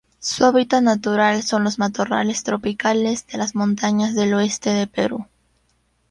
Su hábitat natural son los matorrales tropicales de las montañas del oeste de Perú.